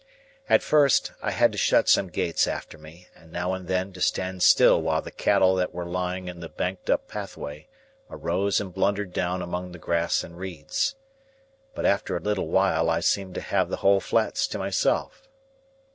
At first, I had to shut some gates after me, and now and then to stand still while the cattle that were lying in the banked up pathway arose and blundered down among the grass and reeds. But after a little while I seemed to have the whole flats to myself.